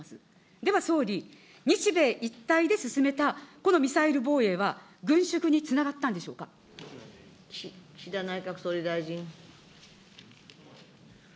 では総理、日米一体で進めたこのミサイル防衛は軍縮につながった岸田内閣総理大臣。